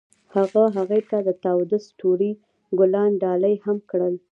هغه هغې ته د تاوده ستوري ګلان ډالۍ هم کړل.